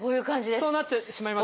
そうなってしまいますよね。